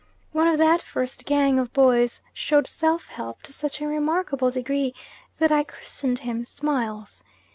One of that first gang of boys showed self help to such a remarkable degree that I christened him Smiles.